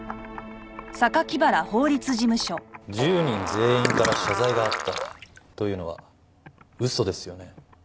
１０人全員から謝罪があったというのは嘘ですよね？